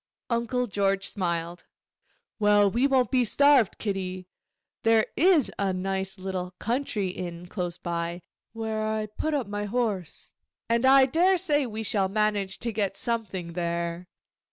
Uncle George smiled. 'Well, we won't be starved, Kitty; there is a nice little country inn close by, where I put up my horse, and I daresay we shall manage to get something there.